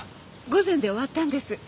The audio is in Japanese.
午前で終わったんです。